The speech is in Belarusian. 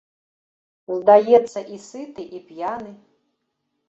Здаецца, і сыты і п'яны.